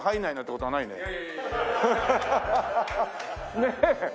ねえ。